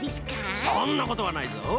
そんなことはないぞ。